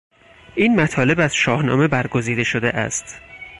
این مطالب از شاهنامه برگزیده شده است.